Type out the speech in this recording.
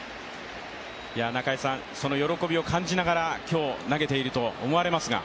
その喜びを感じながら今日投げていると思われますが。